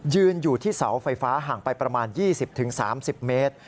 ยืนอยู่ที่เสาไฟฟ้าห่างไปประมาณ๒๐๓๐เมตร